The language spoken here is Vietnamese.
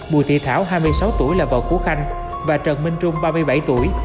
bùi thị thảo hai mươi sáu tuổi là vợ của khanh và trần minh trung ba mươi bảy tuổi